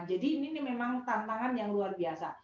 jadi ini memang tantangan yang luar biasa